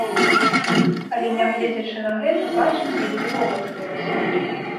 Але, нягледзячы на гэта, бачыце, які волат вырас.